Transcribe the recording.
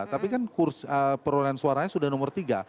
tapi kan perolahan suaranya sudah nomor tiga